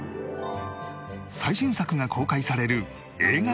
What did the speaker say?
最新作が公開される映画館や